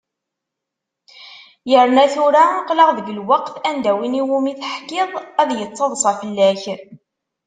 Yerna tura aql-aɣ deg lweqt anda win i wumi teḥkiḍ ad yettaḍsa fell-k.